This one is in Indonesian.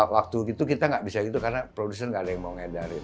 waktu gitu kita nggak bisa gitu karena produsen gak ada yang mau ngedarin